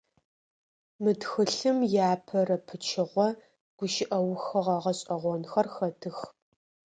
Мы тхылъым иапэрэ пычыгъо гущыӏэухыгъэ гъэшӏэгъонхэр хэтых.